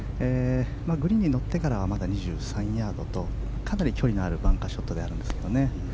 グリーンに乗ってからはまだ２３ヤードとかなり距離のあるバンカーショットです。